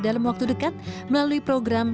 dalam waktu dekat melalui program